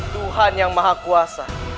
tuhan yang maha kuasa